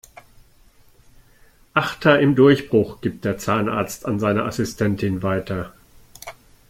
Achter im Durchbruch, gibt der Zahnarzt an seine Assistentin weiter.